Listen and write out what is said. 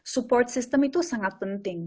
support system itu sangat penting